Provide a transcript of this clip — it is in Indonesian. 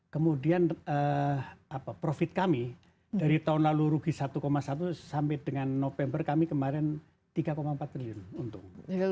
kemudian profit kami dari tahun lalu rugi satu satu sampai dengan november kami kemarin tiga empat triliun untung